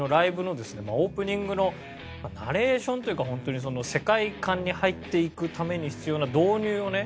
オープニングのナレーションというか世界観に入っていくために必要な導入をね